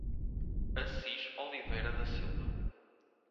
Assis Oliveira da Silva